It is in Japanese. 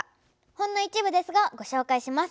ほんの一部ですがご紹介します。